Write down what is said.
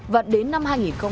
và đến năm hai nghìn hai mươi một